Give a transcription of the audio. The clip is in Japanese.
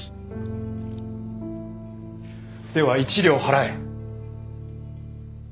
では１両払え！